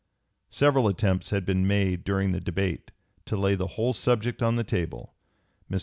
Several attempts had been made during the debate to lay the whole subject on the table. Mr.